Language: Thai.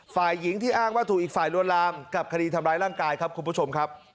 ฝ่ายหญิงที่อ้างว่าถูกอีกฝ่ายรวดลาม